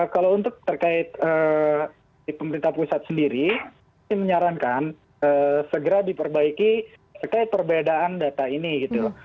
kalau untuk terkait di pemerintah pusat sendiri menyarankan segera diperbaiki terkait perbedaan data ini gitu loh